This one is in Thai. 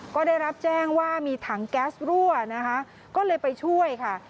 ก็ได้รับแจ้งว่ามีถังแก๊สรั่วนะคะก็เลยไปช่วยค่ะ